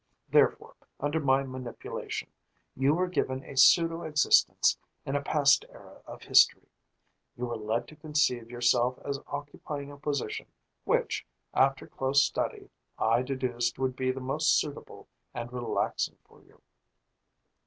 Therefore, under my manipulation, you were given a pseudo existence in a past era of history. You were led to conceive yourself as occupying a position, which, after close study, I deduced would be the most suitable and relaxing for you."